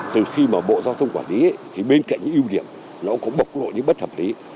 từ khi mà bộ giao thông quản lý thì bên cạnh những ưu điểm nó cũng có bộc lộ những bất hợp lý